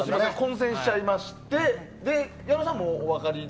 混線しちゃいまして矢野さんは、もうお分かりで。